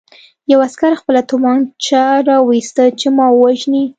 یوه عسکر خپله توپانچه را وویسته چې ما ووژني